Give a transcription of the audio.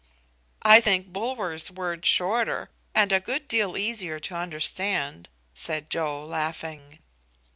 "I think Bulwer's word shorter, and a good deal easier to understand," said Joe, laughing.